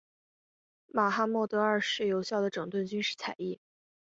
马哈茂德二世有效地整顿军事采邑。